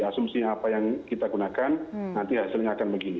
asumsinya apa yang kita gunakan nanti hasilnya akan begini